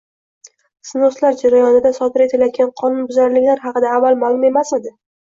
«snos»lar jarayonida sodir etilayotgan qonunbuzarliklar haqida avval ma’lum emasmidi?